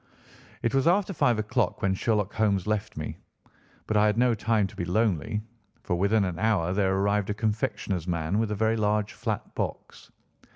It was after five o'clock when Sherlock Holmes left me, but I had no time to be lonely, for within an hour there arrived a confectioner's man with a very large flat box.